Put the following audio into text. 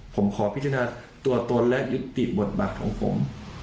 ผมขอพิจารณาตัวตนและยุติบทบาทของผม